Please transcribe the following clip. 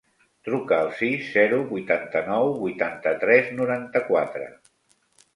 Truca al sis, zero, vuitanta-nou, vuitanta-tres, noranta-quatre.